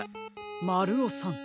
まるおさん。